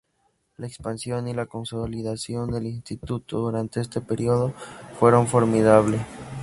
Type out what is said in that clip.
La expansión y la consolidación del Instituto durante este período fueron formidables.